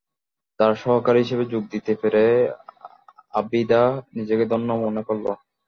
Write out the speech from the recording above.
তার সহকারী হিসেবে যোগ দিতে পেরে আবিদা নিজেকে ধন্য মনে করল।